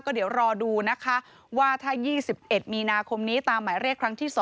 เดี๋ยวรอดูนะคะว่าถ้า๒๑มีนาคมนี้ตามหมายเรียกครั้งที่๒